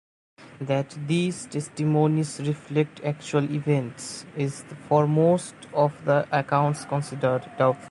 That these testimonies reflect actual events is for most of the accounts considered doubtful.